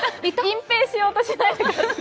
隠蔽しようとしないでください。